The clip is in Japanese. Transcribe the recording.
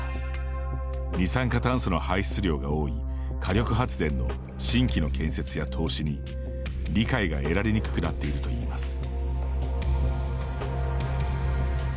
二酸化炭素の排出量が多い火力発電の新規の建設や投資に理解が得られにくくなっているといいます。